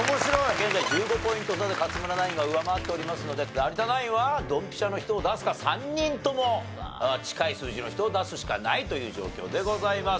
現在１５ポイント差で勝村ナインが上回っておりますので有田ナインはドンピシャの人を出すか３人とも近い数字の人を出すしかないという状況でございます。